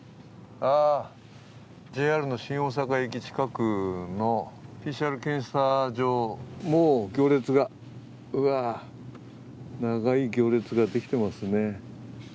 ＪＲの新大阪駅近くのＰＣＲ検査場、もう行列が、長い行列ができてますね。